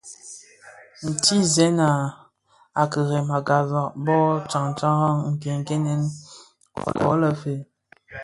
Ntizèn a dhirem a ghasag bō tsantaraň nkènkènèn ko le fe,